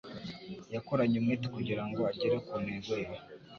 Yakoranye umwete kugirango agere ku ntego ye.